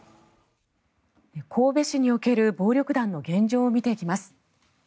神戸市における暴力団の現状を見ていきます。